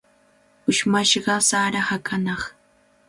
Ushmashqa sara hakanaq.